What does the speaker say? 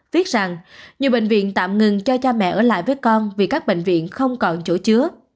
viết rằng nhiều bệnh viện tạm ngừng cho cha mẹ ở lại với con vì các bệnh viện không còn chỗ chứa